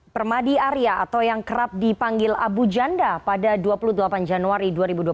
permadi arya atau yang kerap dipanggil abu janda pada dua puluh delapan januari dua ribu dua puluh